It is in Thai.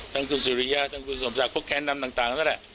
ท่านคูณสวิกเยี่ยมทางสมศักดิ์พวกแขกนำน่ำต่างนั่นแหละ